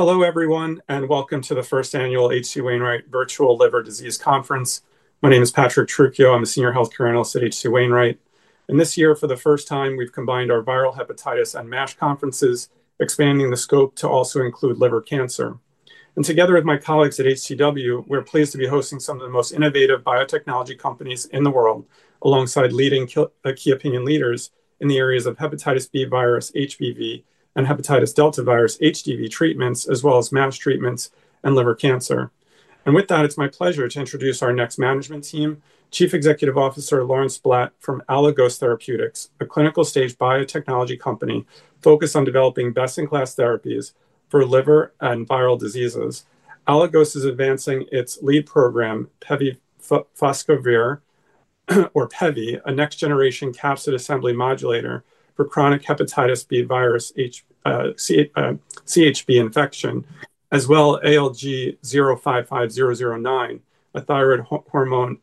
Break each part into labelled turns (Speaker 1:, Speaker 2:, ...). Speaker 1: Hello everyone, and welcome to the first annual H.C. Wainwright Virtual Liver Disease Conference. My name is Patrick Trucchio. I'm a Senior Healthcare Analyst at H.C. Wainwright. This year, for the first time, we've combined our viral hepatitis and MASH conferences, expanding the scope to also include liver cancer. Together with my colleagues at HCW, we're pleased to be hosting some of the most innovative biotechnology companies in the world, alongside leading key opinion leaders in the areas of hepatitis B virus, HBV, and hepatitis delta virus, HDV treatments, as well as MASH treatments and liver cancer. It's my pleasure to introduce our next management team, Chief Executive Officer Lawrence Blatt from Aligos Therapeutics, a clinical-stage biopharmaceutical company focused on developing best-in-class therapies for liver and viral diseases. Aligos is advancing its lead program, pevifoscorvir, or pevi, a next-generation capsid assembly modulator for chronic hepatitis B virus, CHB infection, as well as ALG-055009, a thyroid hormone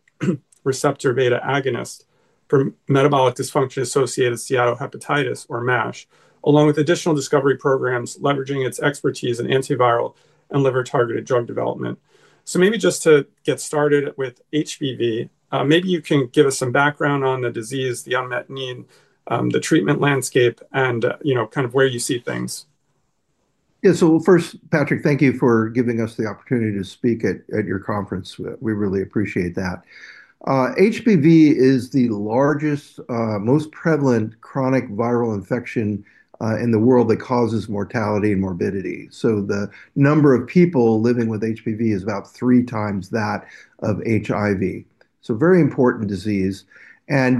Speaker 1: receptor beta agonist for metabolic dysfunction-associated steatohepatitis, or MASH, along with additional discovery programs leveraging its expertise in antiviral and liver-targeted drug development. Maybe just to get started with HBV, can you give us some background on the disease, the unmet need, the treatment landscape, and kind of where you see things.
Speaker 2: Yeah, first, Patrick, thank you for giving us the opportunity to speak at your conference. We really appreciate that. HBV is the largest, most prevalent chronic viral infection in the world that causes mortality and morbidity. The number of people living with HBV is about three times that of HIV, a very important disease.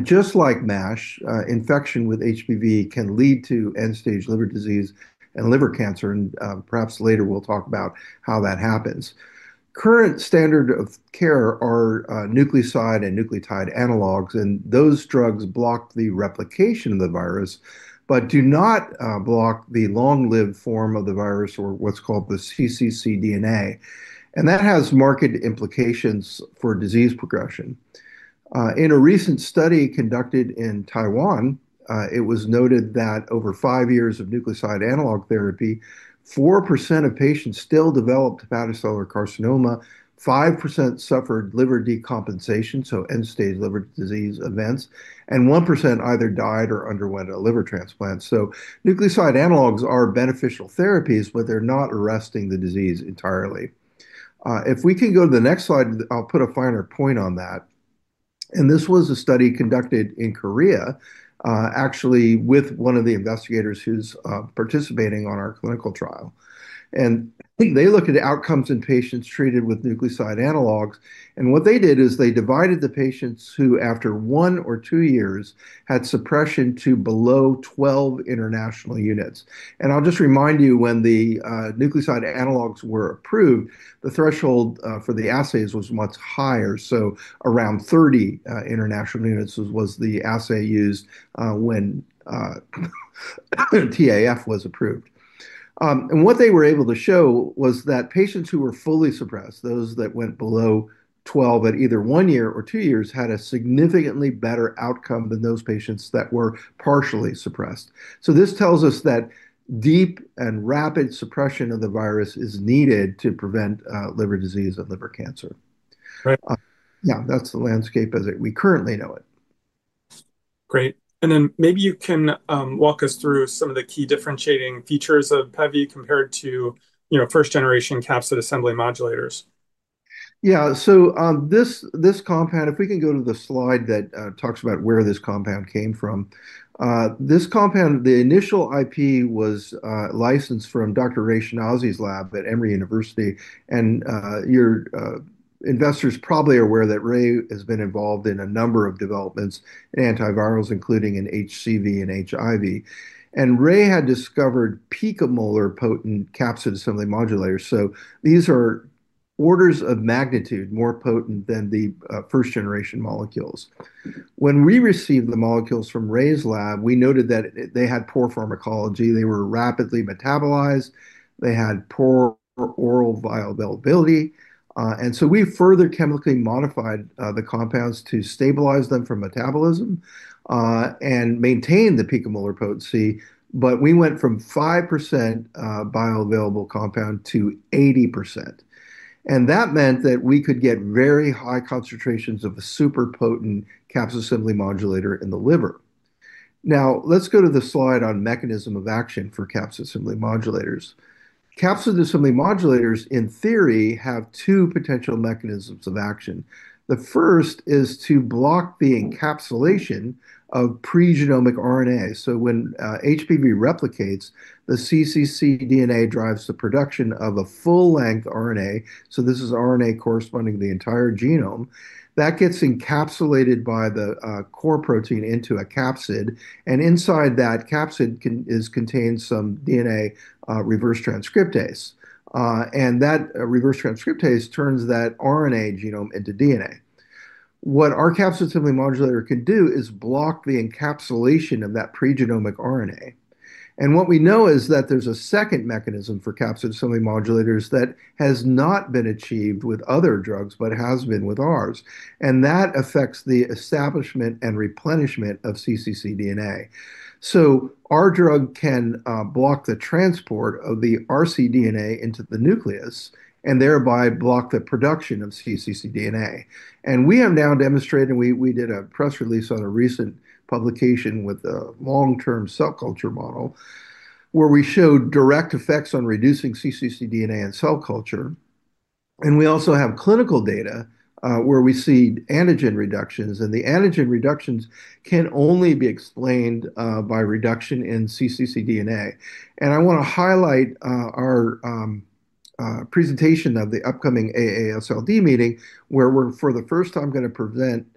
Speaker 2: Just like MASH, infection with HBV can lead to end-stage liver disease and liver cancer. Perhaps later we'll talk about how that happens. Current standards of care are nucleoside and nucleotide analogs. Those drugs block the replication of the virus, but do not block the long-lived form of the virus, or what's called the cccDNA. That has marked implications for disease progression. In a recent study conducted in Taiwan, it was noted that over five years of nucleoside analog therapy, 4% of patients still developed hepatocellular carcinoma, 5% suffered liver decompensation, so end-stage liver disease events, and 1% either died or underwent a liver transplant. Nucleoside analogs are beneficial therapies, but they're not arresting the disease entirely. If we can go to the next slide, I'll put a finer point on that. This was a study conducted in Korea, actually with one of the investigators who's participating on our clinical trial. They looked at outcomes in patients treated with nucleoside analogs. What they did is they divided the patients who, after one or two years, had suppression to below 12 international units. I'll just remind you, when the nucleoside analogs were approved, the threshold for the assays was much higher. Around 30 international units was the assay used when TAF was approved. What they were able to show was that patients who were fully suppressed, those that went below 12 at either one year or two years, had a significantly better outcome than those patients that were partially suppressed. This tells us that deep and rapid suppression of the virus is needed to prevent liver disease and liver cancer.
Speaker 1: Right.
Speaker 2: Yeah, that's the landscape as we currently know it.
Speaker 1: Great. Maybe you can walk us through some of the key differentiating features of pevi compared to first-generation capsid assembly modulators.
Speaker 2: Yeah, so this compound, if we can go to the slide that talks about where this compound came from, this compound, the initial IP was licensed from Dr. Ray Schinazi's lab at Emory University. Your investors probably are aware that Ray has been involved in a number of developments in antivirals, including in HCV and HIV. Ray had discovered picomolar potent capsid assembly modulators. These are orders of magnitude more potent than the first-generation molecules. When we received the molecules from Ray's lab, we noted that they had poor pharmacology. They were rapidly metabolized. They had poor oral bioavailability. We further chemically modified the compounds to stabilize them from metabolism and maintain the picomolar potency. We went from 5% bioavailable compound to 80%. That meant that we could get very high concentrations of a super potent capsid assembly modulator in the liver. Now let's go to the slide on mechanism of action for capsid assembly modulators. Capsid assembly modulators, in theory, have two potential mechanisms of action. The first is to block the encapsulation of pre-genomic RNA. When HBV replicates, the cccDNA drives the production of a full-length RNA. This is RNA corresponding to the entire genome. That gets encapsulated by the core protein into a capsid. Inside that capsid is contained some DNA reverse transcriptase. That reverse transcriptase turns that RNA genome into DNA. What our capsid assembly modulator can do is block the encapsulation of that pre-genomic RNA. There is a second mechanism for capsid assembly modulators that has not been achieved with other drugs, but has been with ours. That affects the establishment and replenishment of cccDNA. Our drug can block the transport of the rcDNA into the nucleus and thereby block the production of cccDNA. We have now demonstrated, and we did a press release on a recent publication with a long-term cell culture model where we showed direct effects on reducing cccDNA in cell culture. We also have clinical data where we see antigen reductions. The antigen reductions can only be explained by reduction in cccDNA. I want to highlight our presentation at the upcoming AASLD meeting where we're, for the first time, going to present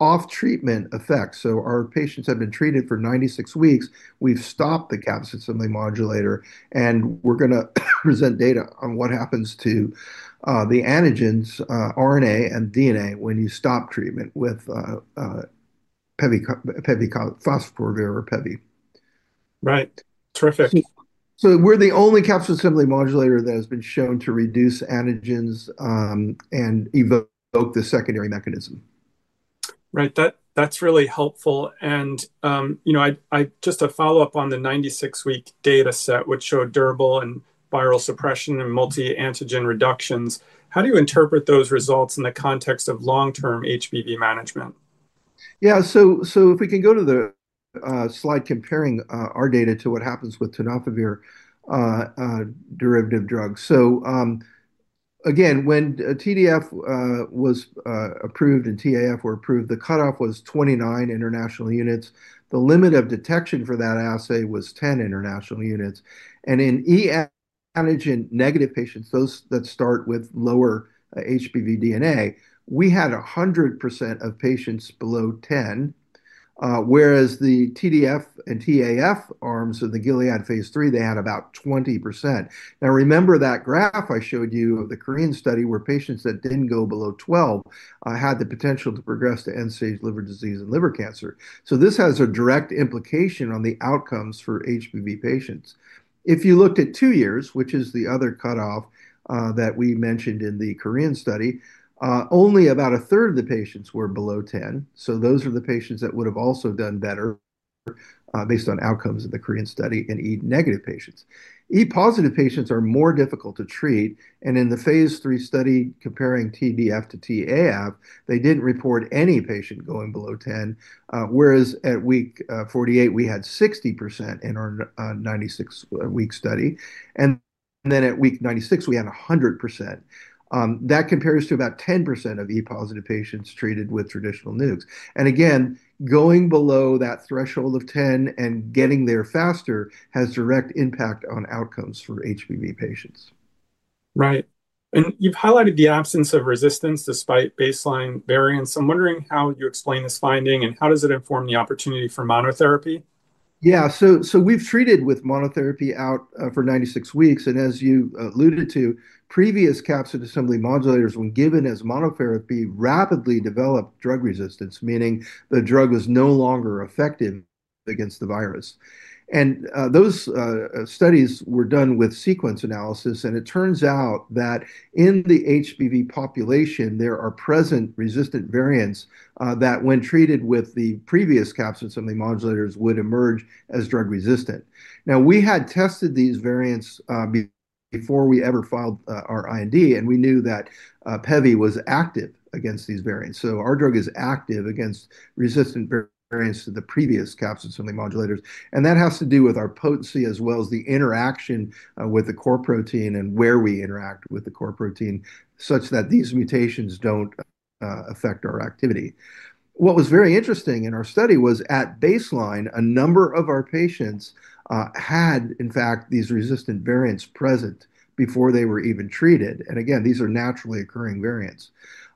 Speaker 2: off-treatment effects. Our patients have been treated for 96 weeks. We've stopped the capsid assembly modulator. We're going to present data on what happens to the antigens, RNA, and DNA when you stop treatment with pevifoscorvir or pevi.
Speaker 1: Right. Terrific.
Speaker 2: We're the only capsid assembly modulator that has been shown to reduce antigens and evoke the secondary mechanism.
Speaker 1: Right. That's really helpful. You know, just a follow-up on the 96-week data set, which showed durable viral suppression and multi-antigen reductions. How do you interpret those results in the context of long-term HBV management?
Speaker 2: Yeah, if we can go to the slide comparing our data to what happens with tenofovir derivative drugs. When TDF was approved and TAF were approved, the cutoff was 29 international units. The limit of detection for that assay was 10 international units. In e antigen negative patients, those that start with lower HBV DNA, we had 100% of patients below 10. Whereas the TDF and TAF arms of the Gilead phase III, they had about 20%. Remember that graph I showed you of the Korean study where patients that didn't go below 12 had the potential to progress to end-stage liver disease and liver cancer. This has a direct implication on the outcomes for HBV patients. If you looked at two years, which is the other cutoff that we mentioned in the Korean study, only about a third of the patients were below 10. Those are the patients that would have also done better based on outcomes of the Korean study in e negative patients. E positive patients are more difficult to treat. In the phase III study comparing TDF to TAF, they didn't report any patient going below 10. At week 48, we had 60% in our 96-week study. At week 96, we had 100%. That compares to about 10% of e positive patients treated with traditional [NUKES]. Going below that threshold of 10 and getting there faster has direct impact on outcomes for HBV patients.
Speaker 1: Right. You have highlighted the absence of resistance despite baseline variance. I'm wondering how you explain this finding, and how does it inform the opportunity for monotherapy?
Speaker 2: Yeah, so we've treated with monotherapy out for 96 weeks. As you alluded to, previous capsid assembly modulators, when given as monotherapy, rapidly developed drug resistance, meaning the drug was no longer effective against the virus. Those studies were done with sequence analysis. It turns out that in the HBV population, there are present resistant variants that, when treated with the previous capsid assembly modulators, would emerge as drug resistant. We had tested these variants before we ever filed our IND, and we knew that pevi was active against these variants. Our drug is active against resistant variants to the previous capsid assembly modulators. That has to do with our potency, as well as the interaction with the core protein and where we interact with the core protein, such that these mutations don't affect our activity. What was very interesting in our study was, at baseline, a number of our patients had, in fact, these resistant variants present before they were even treated. These are naturally occurring variants.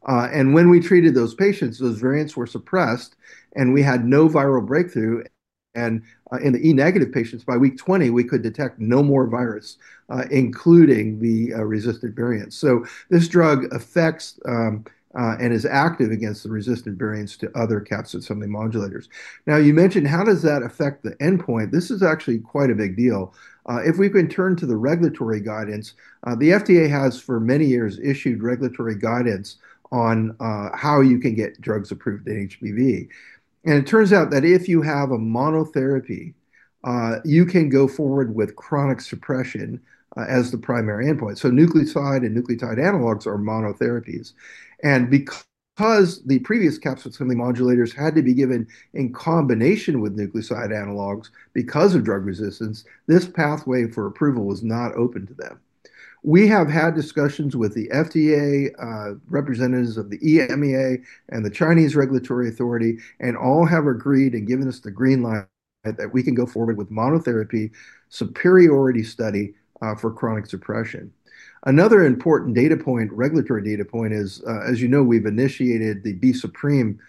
Speaker 2: When we treated those patients, those variants were suppressed, and we had no viral breakthrough. In the e negative patients, by week 20, we could detect no more virus, including the resistant variants. This drug affects and is active against the resistant variants to other capsid assembly modulators. You mentioned, how does that affect the endpoint? This is actually quite a big deal. If we can turn to the regulatory guidance, the FDA has, for many years, issued regulatory guidance on how you can get drugs approved in HBV. It turns out that if you have a monotherapy, you can go forward with chronic suppression as the primary endpoint. Nucleoside and nucleotide analogs are monotherapies. Because the previous capsid assembly modulators had to be given in combination with nucleoside analogs because of drug resistance, this pathway for approval was not open to them. We have had discussions with the FDA, representatives of the EMEA, and the Chinese Regulatory Authority. All have agreed and given us the green light that we can go forward with monotherapy superiority study for chronic suppression. Another important data point, regulatory data point, is, as you know, we've initiated the B-SUPREME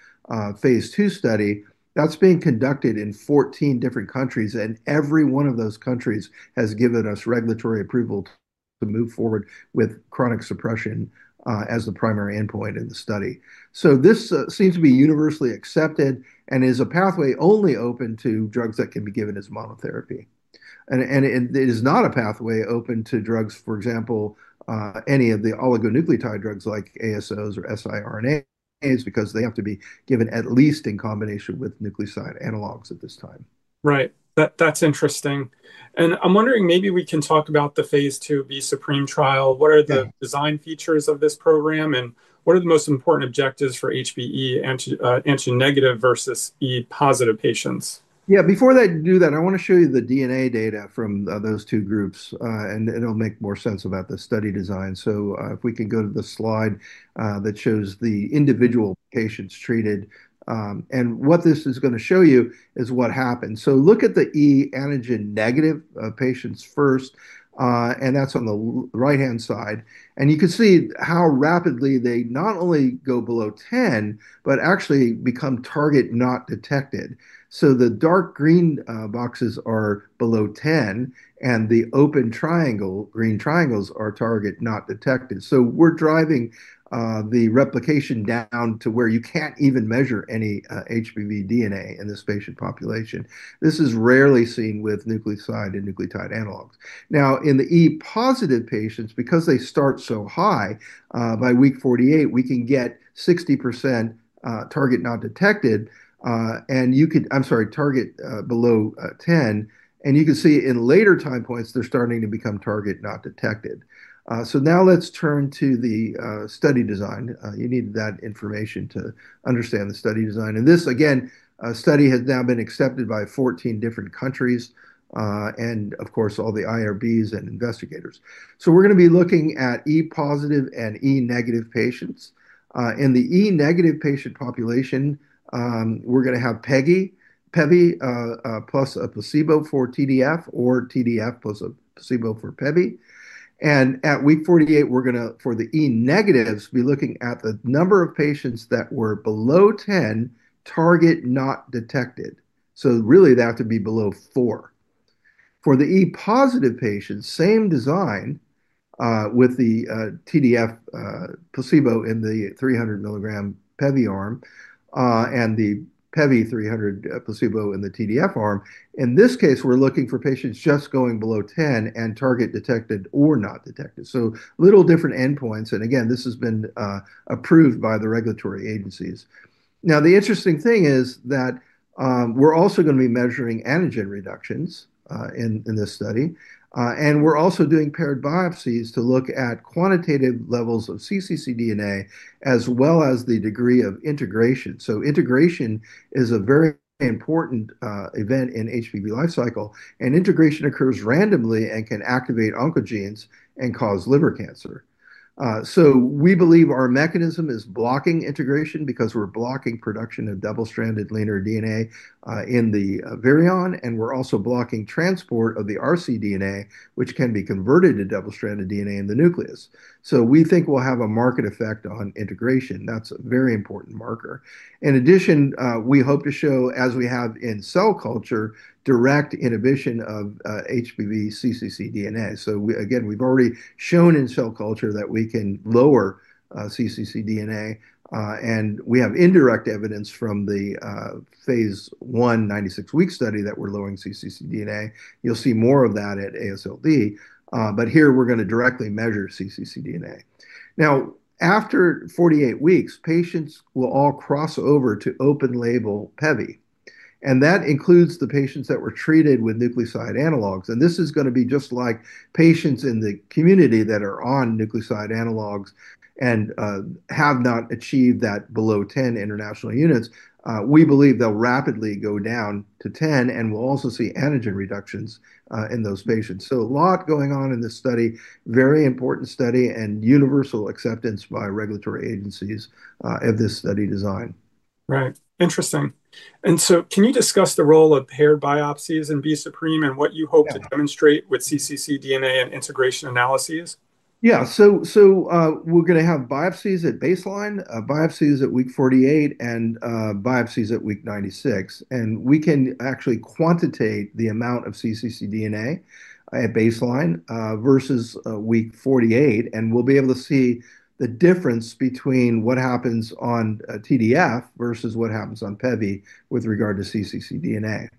Speaker 2: Phase II study. That's being conducted in 14 different countries, and every one of those countries has given us regulatory approval to move forward with chronic suppression as the primary endpoint in the study. This seems to be universally accepted and is a pathway only open to drugs that can be given as monotherapy. It is not a pathway open to drugs, for example, any of the oligonucleotide drugs like ASOs or siRNAs, because they have to be given at least in combination with nucleoside analogs at this time.
Speaker 1: Right. That's interesting. I'm wondering, maybe we can talk about the Phase II B-SUPREME trial. What are the design features of this program? What are the most important objectives for HBe anti-negative versus e positive patients?
Speaker 2: Before I do that, I want to show you the DNA data from those two groups. It'll make more sense about the study design. If we can go to the slide that shows the individual patients treated, what this is going to show you is what happened. Look at the E antigen negative patients first, that's on the right-hand side. You can see how rapidly they not only go below 10, but actually become target not detected. The dark green boxes are below 10, and the open green triangles are target not detected. We're driving the replication down to where you can't even measure any HBV DNA in this patient population. This is rarely seen with nucleoside/nucleotide analogs. Now, in the e positive patients, because they start so high, by week 48, we can get 60% target below 10. You can see in later time points, they're starting to become target not detected. Let's turn to the study design. You need that information to understand the study design. This study has now been accepted by 14 different countries and, of course, all the IRBs and investigators. We're going to be looking at e positive and e negative patients. In the e negative patient population, we're going to have pevi plus a placebo for TDF or TDF plus a placebo for pevi. At week 48, for the e negatives, we're going to be looking at the number of patients that were below 10 target not detected. That would be below 4. For the e positive patients, same design with the TDF placebo in the 300 mg pevi arm and the pevi 300 placebo in the TDF arm. In this case, we're looking for patients just going below 10 and target detected or not detected. Different endpoints. This has been approved by the regulatory agencies. The interesting thing is that we're also going to be measuring antigen reductions in this study. We're also doing paired biopsies to look at quantitative levels of cccDNA, as well as the degree of integration. Integration is a very important event in the HBV lifecycle. Integration occurs randomly and can activate oncogenes and cause liver cancer. We believe our mechanism is blocking integration because we're blocking production of double-stranded linear DNA in the virion. We're also blocking transport of the rcDNA, which can be converted to double-stranded DNA in the nucleus. We think we'll have a marked effect on integration. That's a very important marker. In addition, we hope to show, as we have in cell culture, direct inhibition of HBV cccDNA. We've already shown in cell culture that we can lower cccDNA, and we have indirect evidence from the Phase I, 96-week study that we're lowering cccDNA. You'll see more of that at AASLD. Here, we're going to directly measure cccDNA. After 48 weeks, patients will all cross over to open-label pevi. That includes the patients that were treated with nucleoside analogs. This is going to be just like patients in the community that are on nucleoside analogs and have not achieved that below 10 international units. We believe they'll rapidly go down to 10, and we'll also see antigen reductions in those patients. A lot is going on in this study, very important study, and universal acceptance by regulatory agencies of this study design.
Speaker 1: Right. Interesting. Can you discuss the role of paired biopsies in B-SUPREME and what you hope to demonstrate with cccDNA and integration analyses?
Speaker 2: Yeah, so we're going to have biopsies at baseline, biopsies at week 48, and biopsies at week 96. We can actually quantitate the amount of cccDNA baseline versus week 48, and we'll be able to see the difference between what happens on TDF versus what happens on pevi with regard to cccDNA.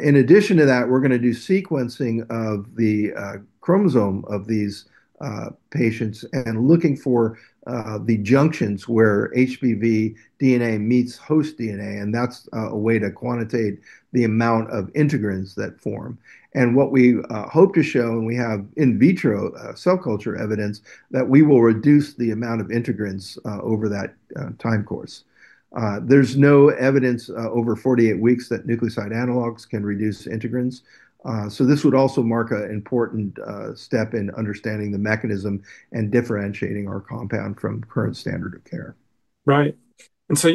Speaker 2: In addition to that, we're going to do sequencing of the chromosome of these patients and looking for the junctions where HBV DNA meets host DNA. That's a way to quantitate the amount of integrants that form. What we hope to show, and we have in-vitro cell culture evidence, is that we will reduce the amount of integrants over that time course. There's no evidence over 48 weeks that nucleoside analogs can reduce integrants. This would also mark an important step in understanding the mechanism and differentiating our compound from current standard of care.
Speaker 1: Right.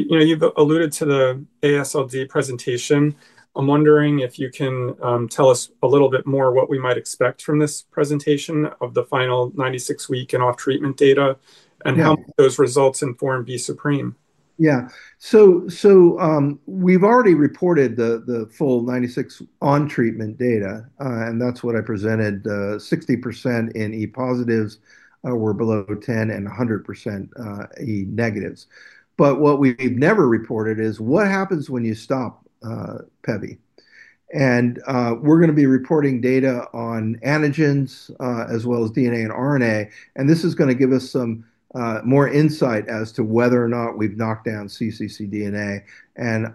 Speaker 1: You've alluded to the AASLD presentation. I'm wondering if you can tell us a little bit more what we might expect from this presentation of the final 96-week and off-treatment data and how those results inform B-SUPREME.
Speaker 2: Yeah, we've already reported the full 96 on-treatment data. That's what I presented, 60% in e positives were below 10 and 100% e negatives. What we've never reported is what happens when you stop pevi. We're going to be reporting data on antigens, as well as DNA and RNA. This is going to give us some more insight as to whether or not we've knocked down cccDNA.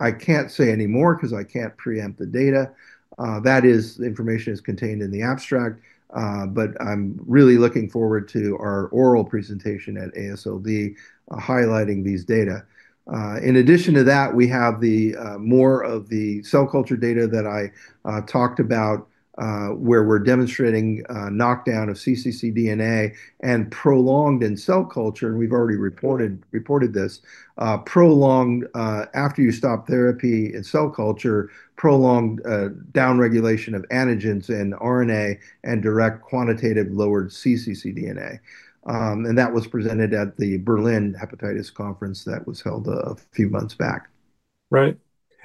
Speaker 2: I can't say any more because I can't preempt the data. That information is contained in the abstract. I'm really looking forward to our oral presentation at AASLD highlighting these data. In addition to that, we have more of the cell culture data that I talked about where we're demonstrating knockdown of cccDNA and prolonged in cell culture. We've already reported this. Prolonged, after you stop therapy in cell culture, prolonged down regulation of antigens and RNA and direct quantitative lowered cccDNA. That was presented at the Berlin Hepatitis Conference that was held a few months back.
Speaker 1: Right.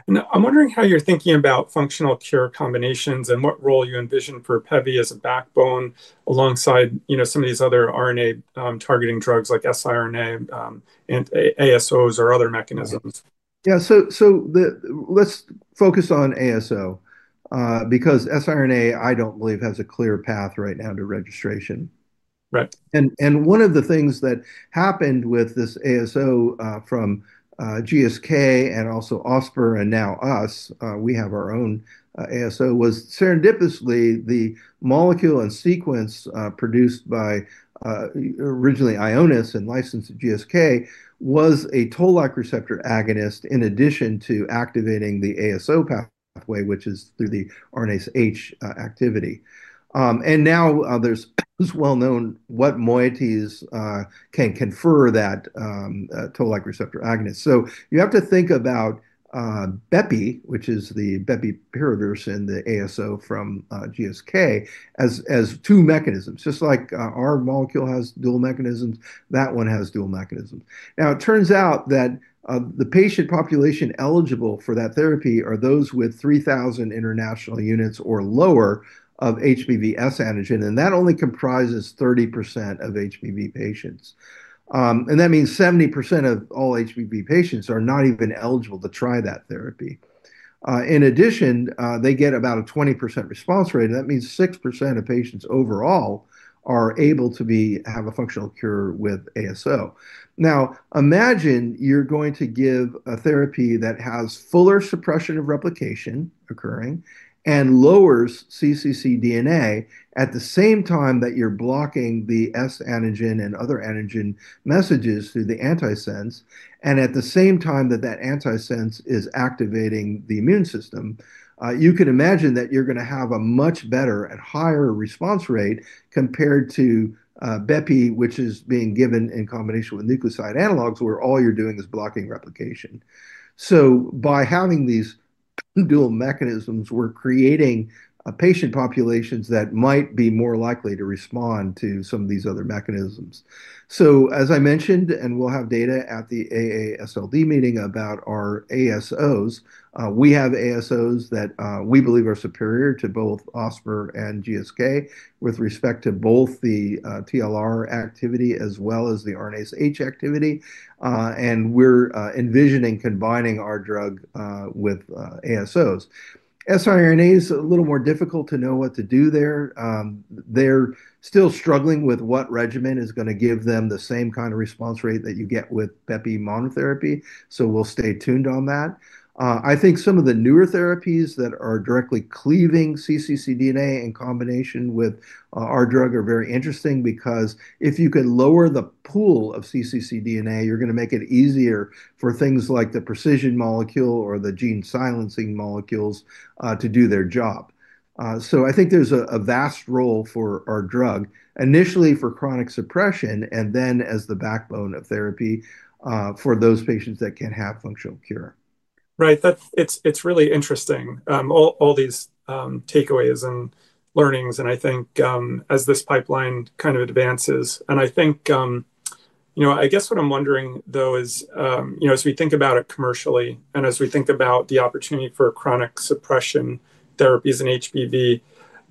Speaker 1: I'm wondering how you're thinking about functional cure combinations and what role you envision for pevi as a backbone alongside some of these other RNA targeting drugs like siRNA and ASOs or other mechanisms.
Speaker 2: Yeah, let's focus on ASO because siRNA, I don't believe, has a clear path right now to registration.
Speaker 1: Right.
Speaker 2: One of the things that happened with this ASO from GSK and also Ausper and now us, we have our own ASO, was serendipitously the molecule and sequence produced by originally Ionis and licensed at GSK was a toll-like receptor agonist in addition to activating the ASO pathway, which is through the RNase H activity. Now there's well-known what moieties can confer that toll-like receptor agonist. You have to think about bepi, which is the bepirovirsen, the ASO from GSK, as two mechanisms. Just like our molecule has dual mechanisms, that one has dual mechanisms. It turns out that the patient population eligible for that therapy are those with 3,000 international units or lower of HBV-S antigen. That only comprises 30% of HBV patients. That means 70% of all HBV patients are not even eligible to try that therapy. In addition, they get about a 20% response rate. That means 6% of patients overall are able to have a functional cure with ASO. Imagine you're going to give a therapy that has fuller suppression of replication occurring and lowers cccDNA at the same time that you're blocking the s-antigen and other antigen messages through the antisense. At the same time that that antisense is activating the immune system, you can imagine that you're going to have a much better and higher response rate compared to bepi, which is being given in combination with nucleoside analogs, where all you're doing is blocking replication. By having these dual mechanisms, we're creating patient populations that might be more likely to respond to some of these other mechanisms. As I mentioned, and we'll have data at the AASLD meeting about our ASOs, we have ASOs that we believe are superior to both Ausper and GSK with respect to both the TLR activity as well as the RNase H activity. We're envisioning combining our drug with ASOs. siRNA is a little more difficult to know what to do there. They're still struggling with what regimen is going to give them the same kind of response rate that you get with bepi monotherapy. We'll stay tuned on that. I think some of the newer therapies that are directly cleaving cccDNA in combination with our drug are very interesting because if you can lower the pool of cccDNA, you're going to make it easier for things like the precision molecule or the gene silencing molecules to do their job. I think there's a vast role for our drug, initially for chronic suppression and then as the backbone of therapy for those patients that can have functional cure.
Speaker 1: Right. It's really interesting, all these takeaways and learnings. As this pipeline kind of advances, I guess what I'm wondering, though, is as we think about it commercially and as we think about the opportunity for chronic suppression therapies in HBV,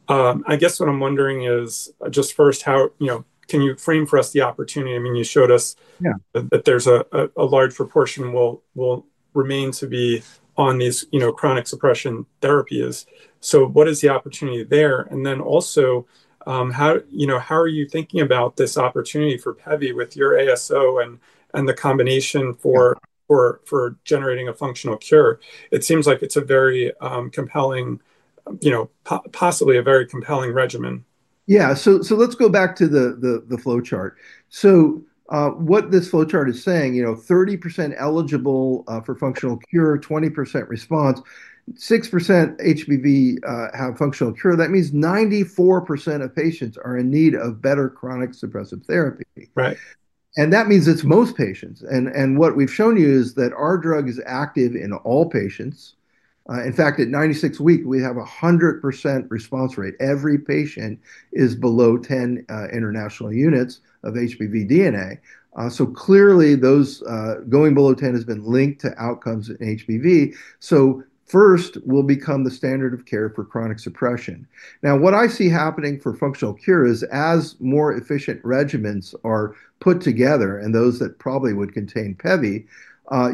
Speaker 1: I guess what I'm wondering is just first, how can you frame for us the opportunity? I mean, you showed us that there's a large proportion will remain to be on these chronic suppression therapies. What is the opportunity there? Also, how are you thinking about this opportunity for pevi with your ASO and the combination for generating a functional cure? It seems like it's a very compelling, possibly a very compelling regimen.
Speaker 2: Yeah, let's go back to the flowchart. What this flowchart is saying, 30% eligible for functional cure, 20% response, 6% HBV have functional cure. That means 94% of patients are in need of better chronic suppressive therapy.
Speaker 1: Right.
Speaker 2: That means it's most patients. What we've shown you is that our drug is active in all patients. In fact, at 96-week, we have a 100% response rate. Every patient is below 10 international units of HBV DNA. Clearly, going below 10 has been linked to outcomes in HBV. First, we'll become the standard of care for chronic suppression. What I see happening for functional cure is as more efficient regimens are put together and those that probably would contain pevi,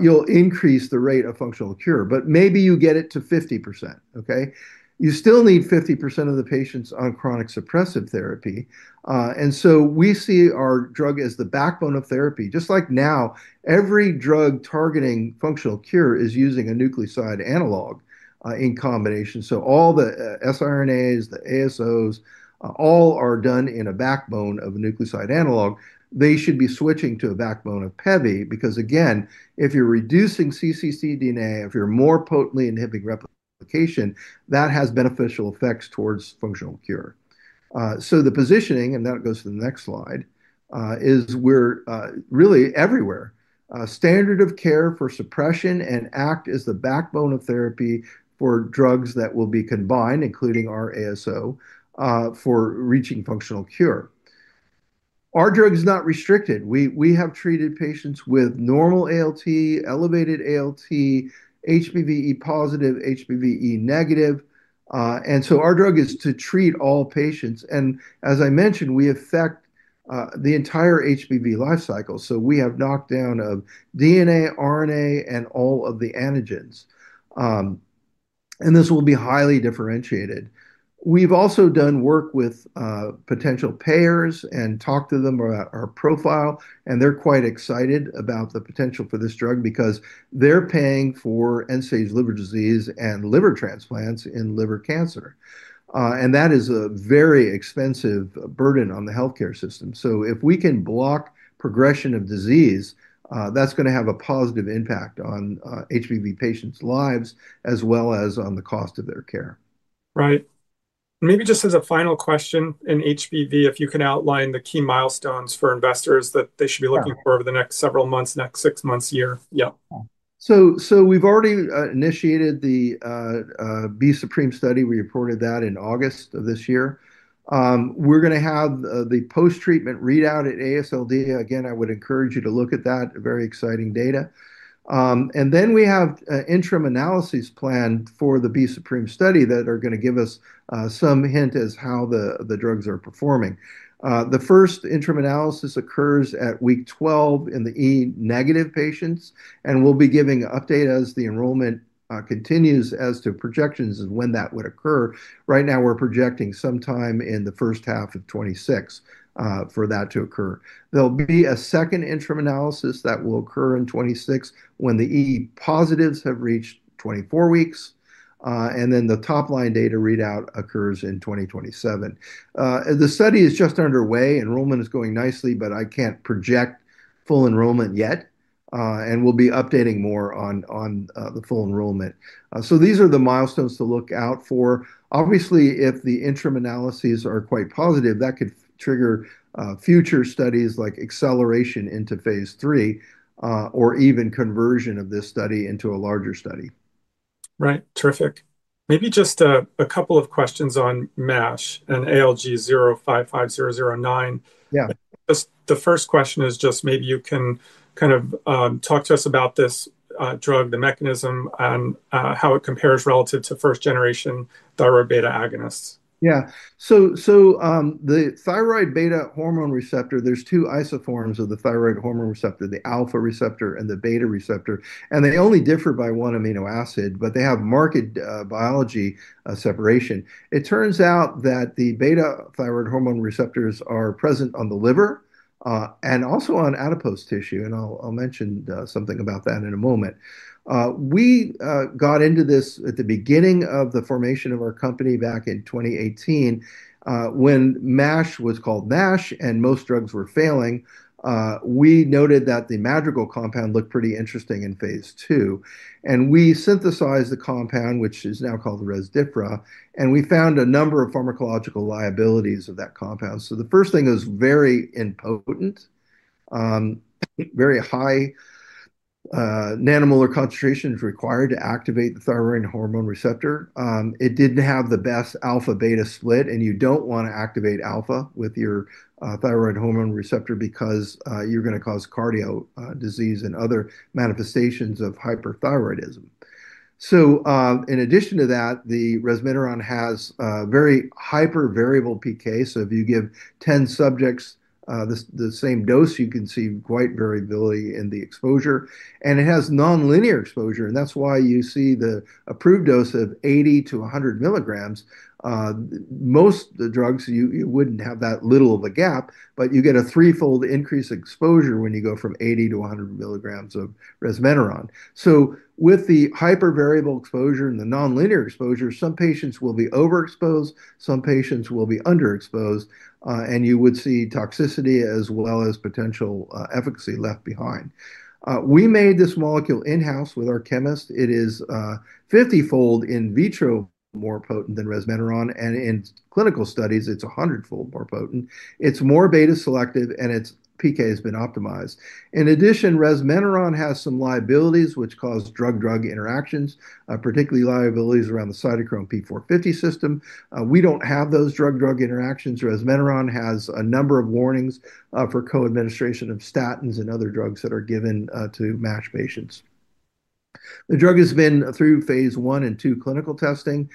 Speaker 2: you'll increase the rate of functional cure. Maybe you get it to 50%. You still need 50% of the patients on chronic suppressive therapy. We see our drug as the backbone of therapy. Just like now, every drug targeting functional cure is using a nucleoside analog in combination. All the siRNAs, the ASOs, all are done in a backbone of a nucleoside analog. They should be switching to a backbone of pevi because, again, if you're reducing cccDNA, if you're more potently inhibiting replication, that has beneficial effects towards functional cure. The positioning, and that goes to the next slide, is we're really everywhere. Standard of care for suppression and act as the backbone of therapy for drugs that will be combined, including our ASO, for reaching functional cure. Our drug is not restricted. We have treated patients with normal ALT, elevated ALT, HBV e positive, HBV e negative. Our drug is to treat all patients. As I mentioned, we affect the entire HBV lifecycle. We have knockdown of DNA, RNA, and all of the antigens. This will be highly differentiated. We've also done work with potential payers and talked to them about our profile. They're quite excited about the potential for this drug because they're paying for end-stage liver disease and liver transplants in liver cancer. That is a very expensive burden on the health care system. If we can block progression of disease, that's going to have a positive impact on HBV patients' lives, as well as on the cost of their care.
Speaker 1: Right. Maybe just as a final question in HBV, if you can outline the key milestones for investors that they should be looking for over the next several months, next six months, year. Yeah.
Speaker 2: We've already initiated the B-SUPREME study. We reported that in August of this year. We're going to have the post-treatment readout at AASLD. I would encourage you to look at that. Very exciting data. We have interim analyses planned for the B-SUPREME study that are going to give us some hint as to how the drugs are performing. The first interim analysis occurs at week 12 in the e negative patients. We'll be giving an update as the enrollment continues as to projections of when that would occur. Right now, we're projecting sometime in the first half of 2026 for that to occur. There will be a second interim analysis that will occur in 2026 when the e positives have reached 24 weeks. The top-line data readout occurs in 2027. The study is just underway. Enrollment is going nicely, but I can't project full enrollment yet. We'll be updating more on the full enrollment. These are the milestones to look out for. Obviously, if the interim analyses are quite positive, that could trigger future studies like acceleration into phase III or even conversion of this study into a larger study.
Speaker 1: Right. Terrific. Maybe just a couple of questions on MASH and ALG-055009.
Speaker 2: Yeah.
Speaker 1: The first question is just maybe you can kind of talk to us about this drug, the mechanism, and how it compares relative to first-generation thyroid beta agonists.
Speaker 2: Yeah, so the thyroid beta hormone receptor, there's two isoforms of the thyroid hormone receptor, the alpha receptor and the beta receptor. They only differ by one amino acid, but they have marked biology separation. It turns out that the beta thyroid hormone receptors are present on the liver and also on adipose tissue. I'll mention something about that in a moment. We got into this at the beginning of the formation of our company back in 2018 when MASH was called MASH and most drugs were failing. We noted that the Madrigal compound looked pretty interesting in Phase II. We synthesized the compound, which is now called [resmetirom]. We found a number of pharmacological liabilities of that compound. The first thing is very impotent, very high nanomolar concentrations required to activate the thyroid hormone receptor. It didn't have the best alpha-beta split. You don't want to activate alpha with your thyroid hormone receptor because you're going to cause cardio disease and other manifestations of hyperthyroidism. In addition to that, resmetirom has very hypervariable PK. If you give 10 subjects the same dose, you can see quite variability in the exposure. It has nonlinear exposure. That's why you see the approved dose of 80 mg-100 mg. Most drugs, you wouldn't have that little of a gap, but you get a threefold increase exposure when you go from 80 mg-100 mg of resmetirom. With the hypervariable exposure and the nonlinear exposure, some patients will be overexposed, some patients will be underexposed, and you would see toxicity as well as potential efficacy left behind. We made this molecule in-house with our chemist. It is 50-fold in vitro more potent than resmetirom. In clinical studies, it's 100-fold more potent. It's more beta selective, and its PK has been optimized. In addition, resmetirom has some liabilities which cause drug-drug interactions, particularly liabilities around the cytochrome P450 system. We don't have those drug-drug interactions. Resmetirom has a number of warnings for co-administration of statins and other drugs that are given to MASH patients. The drug has been through Phase I and II clinical testing.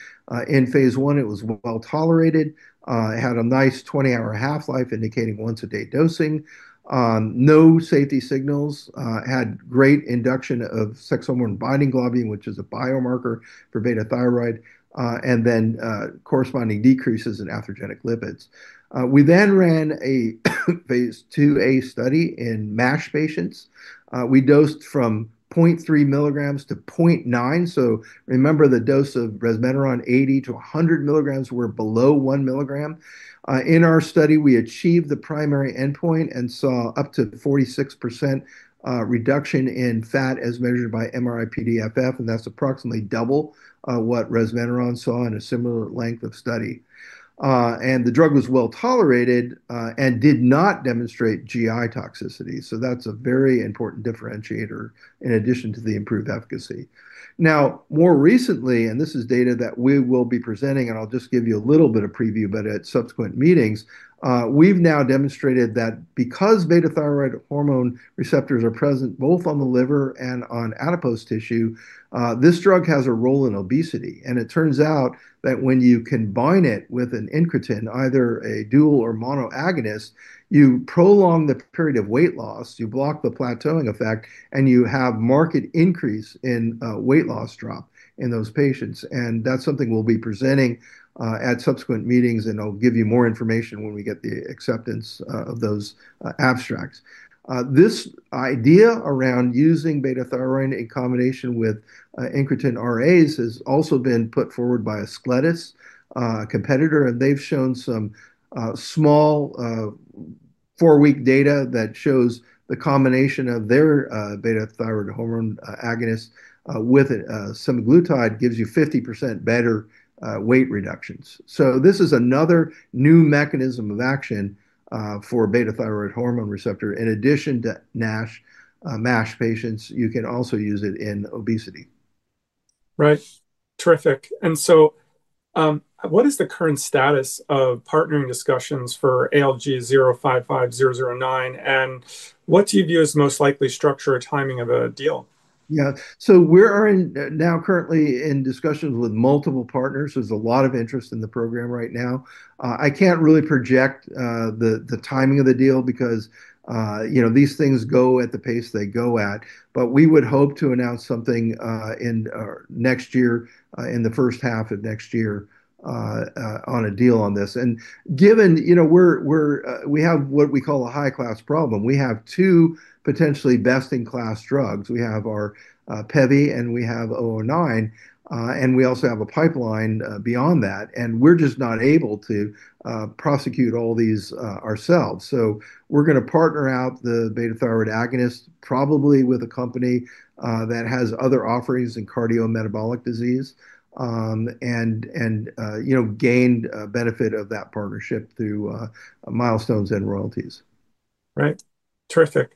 Speaker 2: In Phase I, it was well tolerated. It had a nice 20-hour half-life, indicating once-a-day dosing. No safety signals. It had great induction of sex hormone binding globulin, which is a biomarker for beta thyroid, and then corresponding decreases in atherogenic lipids. We then ran a Phase II-A study in MASH patients. We dosed from 0.3 mg to 0.9 mg. Remember the dose of resmetirom, 80 mg-100 mg, we're below 1 mg. In our study, we achieved the primary endpoint and saw up to 46% reduction in fat as measured by MRI PDFF. That's approximately double what resmetirom saw in a similar length of study. The drug was well tolerated and did not demonstrate GI toxicity. That's a very important differentiator in addition to the improved efficacy. More recently, and this is data that we will be presenting, and I'll just give you a little bit of preview, but at subsequent meetings, we've now demonstrated that because beta thyroid hormone receptors are present both on the liver and on adipose tissue, this drug has a role in obesity. It turns out that when you combine it with an incretin, either a dual or mono agonist, you prolong the period of weight loss, you block the plateauing effect, and you have a marked increase in weight loss drop in those patients. That's something we'll be presenting at subsequent meetings. I'll give you more information when we get the acceptance of those abstracts. This idea around using beta thyroid in combination with incretin RAs has also been put forward by a SGLT2 competitor. They've shown some small four-week data that shows the combination of their beta thyroid hormone agonist with semaglutide gives you 50% better weight reductions. This is another new mechanism of action for beta thyroid hormone receptor. In addition to MASH patients, you can also use it in obesity.
Speaker 1: Right. Terrific. What is the current status of partnering discussions for ALG-055009? What do you view as the most likely structure or timing of a deal?
Speaker 2: Yeah, so we're now currently in discussions with multiple partners. There's a lot of interest in the program right now. I can't really project the timing of the deal because these things go at the pace they go at. We would hope to announce something in the first half of next year on a deal on this. Given we have what we call a high-class problem, we have two potentially best-in-class drugs. We have our pevi and we have 009. We also have a pipeline beyond that. We're just not able to prosecute all these ourselves. We're going to partner out the beta thyroid agonist, probably with a company that has other offerings in cardiometabolic disease, and gain benefit of that partnership through milestones and royalties.
Speaker 1: Right. Terrific.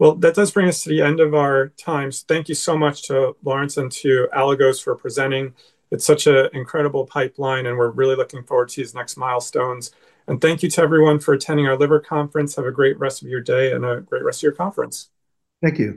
Speaker 1: That does bring us to the end of our time. Thank you so much to Lawrence and to Aligos for presenting. It's such an incredible pipeline. We're really looking forward to these next milestones. Thank you to everyone for attending our liver conference. Have a great rest of your day and a great rest of your conference.
Speaker 2: Thank you.